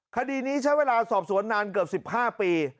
คดีนี้ใช้เวลาสอบสวนนานเกือบ๑๕ปี